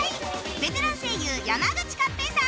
ベテラン声優山口勝平さん